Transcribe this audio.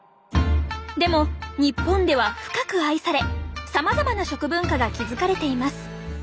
でも日本では深く愛されさまざまな食文化が築かれています。